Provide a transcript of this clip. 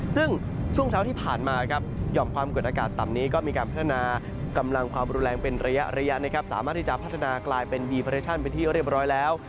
ซึ่งช่วงเช้าที่ผ่านมาครับหย่อมความกดอากาศต่ำนี้ก็มีการพัฒนากำลังความรุนแรงเป็นระยะนะครับสามารถที่จะพัฒนากลายเป็นดีเรชั่นเป็นที่เรียบร้อยแล้ว